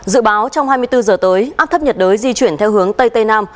dự báo trong hai mươi bốn giờ tới áp thấp nhiệt đới di chuyển theo hướng tây tây nam